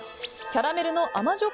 キャラメルの甘じょ